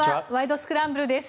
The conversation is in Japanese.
スクランブル」です。